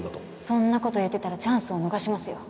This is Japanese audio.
そんな事言ってたらチャンスを逃しますよ。